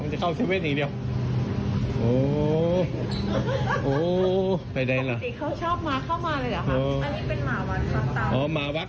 เสร็จแน่นอน